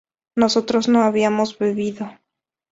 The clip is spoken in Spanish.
nosotros no habíamos bebido